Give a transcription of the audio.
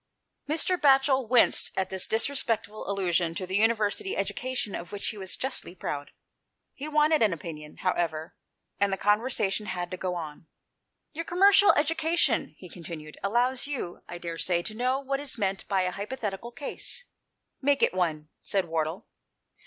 Mr. Batchel winced at this disrespectful allusion to the University education of which he was justly proud. He wanted an opinion, however, and the conversation had to go on. " Your commercial education," he continued, " allows you, I daresay, to know what is meant by a hypothetical case." " Make it one," said Wardle.